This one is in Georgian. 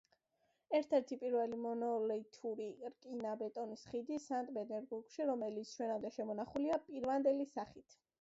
ერთ-ერთი პირველი მონოლითური რკინა-ბეტონის ხიდი სანქტ-პეტერბურგში, რომელიც ჩვენამდე შემონახულია პირვანდელი სახით.